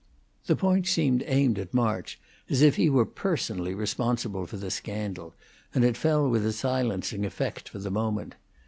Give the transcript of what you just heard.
The point seemed aimed at March, as if he were personally responsible for the scandal, and it fell with a silencing effect for the moment.